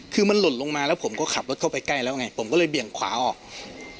คือมันหล่นลงมาแล้วผมก็ขับรถเข้าไปใกล้แล้วไงผมก็เลยเบี่ยงขวาออก